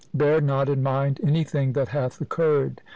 Bear not in mind any thing that hath occurred.